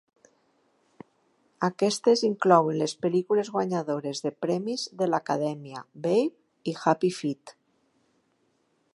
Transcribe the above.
Aquestes inclouen les pel·lícules guanyadores de premis de l'acadèmia "Babe" i "Happy Feet".